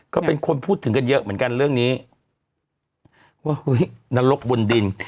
ก็เป็นคนพูดถึงกันเยอะเหมือนกันเรื่องนี้ว่าเฮ้ยนรกบนดิน